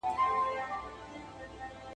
ده په خپل ذهن کې د کور د مصرفونو لست جوړ کړ.